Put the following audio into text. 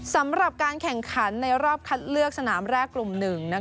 สำหรับการแข่งขันในรอบคัดเลือกสนามแรกกลุ่มหนึ่ง